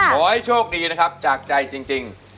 ขอให้โชคดีนะครับจากใจจริง